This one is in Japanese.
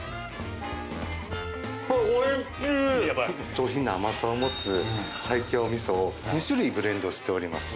上品な甘さを持つ西京味噌を２種類ブレンドしております。